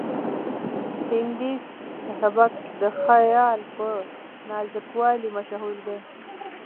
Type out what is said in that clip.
هندي سبک د خیال په نازکوالي مشهور دی.